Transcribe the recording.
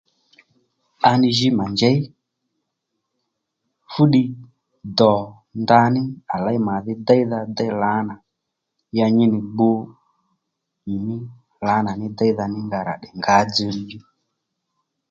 À nì jǐ mà njěy fú ddiy dò ndaní à léy mà dhí déydha déy lǎnà ya nyi nì gbu nyìmí lǎ nà ní déydha ra dey ngǎ dzilíy djú